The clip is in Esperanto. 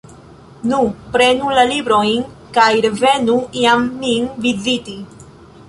Nu, prenu la librojn kaj revenu iam min viziti.